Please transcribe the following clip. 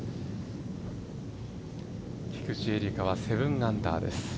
菊地絵理香は７アンダーです。